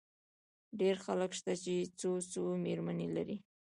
ډېر خلک شته، چي څو څو مېرمنې لري.